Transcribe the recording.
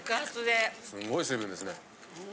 すごい水分ですね。